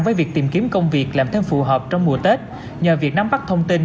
với việc tìm kiếm công việc làm thêm phù hợp trong mùa tết nhờ việc nắm bắt thông tin